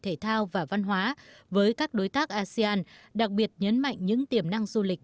thể thao và văn hóa với các đối tác asean đặc biệt nhấn mạnh những tiềm năng du lịch